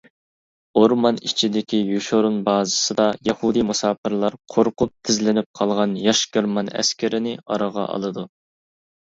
ئورمان ئىچىدىكى يوشۇرۇن بازىسىدا يەھۇدىي مۇساپىرلار قورقۇپ تىزلىنىپ قالغان ياش گېرمان ئەسكىرىنى ئارىغا ئالىدۇ.